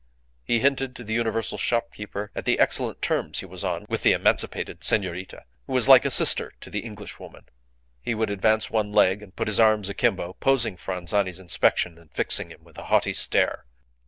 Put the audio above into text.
He hinted to the universal shopkeeper at the excellent terms he was on with the emancipated senorita, who was like a sister to the Englishwoman. He would advance one leg and put his arms akimbo, posing for Anzani's inspection, and fixing him with a haughty stare.